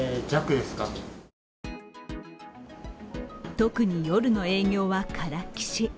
特に夜の営業はからっきし。